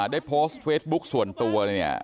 ได้โพสต์เฟซบุ๊คส่วนตัวเนี่ย